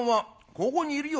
「ここにいるよ。